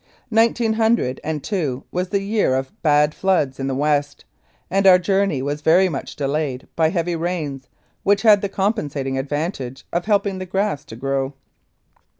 Nineteen hundred and two was the year of bad floods in the West, and our journey was very much delayed by heavy rains, which had the compensating advantage of helping the grass to grow.